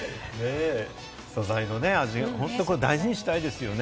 素材のね、味、本当これ、大事にしたいですよね。